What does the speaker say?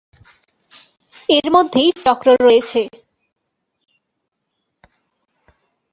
এর মধ্যেই চক্র রয়েছে।